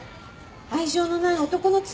愛情のない男の妻。